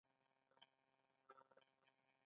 کروندګري د اقتصاد د پرمختګ لپاره اساسي برخه ده.